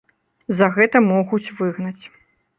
За гэта могуць выгнаць.